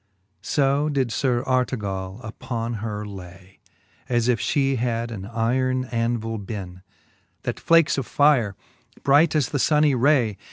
So did Sir Artegall upon her lay, > As if flie had an yron andvile beenc. That flakes of fire, bright as the funny ray.